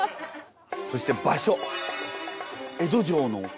そして場所。